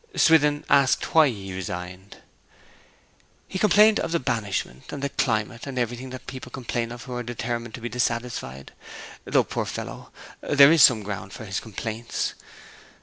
Swithin asked why he resigned. 'He complained of the banishment, and the climate, and everything that people complain of who are determined to be dissatisfied, though, poor fellow, there is some ground for his complaints.